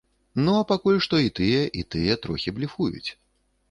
Ну а пакуль што і тыя, і тыя трохі блефуюць.